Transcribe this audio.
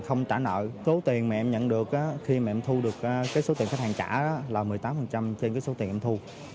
không trả nợ số tiền mà em nhận được khi em thu được số tiền khách hàng trả là một mươi tám trên số tiền em thu